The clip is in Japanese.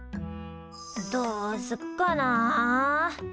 どうすっかな？